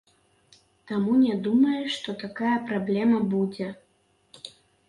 Таму не думаем, што такая праблема будзе.